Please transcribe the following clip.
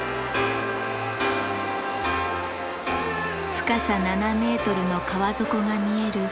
深さ７メートルの川底が見える